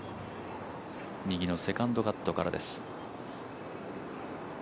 右のセカンドカットからです。